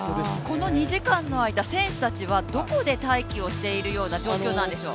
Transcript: この２時間の間、選手たちはどこで待機をしている状況なんでしょう？